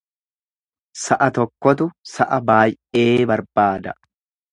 Sa'a tokkotu sa'a baay'ee barbaada.